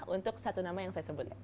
untuk satu nama yang saya sebut ya